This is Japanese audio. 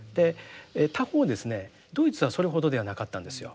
他方ですねドイツはそれほどではなかったんですよ。